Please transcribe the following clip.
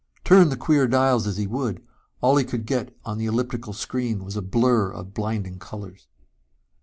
Turn the queer dials as he would, all he could get on the elliptical screen was a blur of blinding colors.